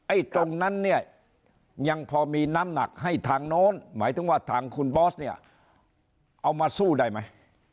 ตรงนั้นเนี่ยยังพอมีน้ำหนักให้ทางโน้นหมายถึงว่าทางคุณบอสเนี่ยเอามาสู้ได้ไหม